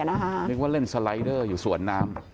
นึกว่าเล่นสไลเดอร์อยู่สวนน้ำ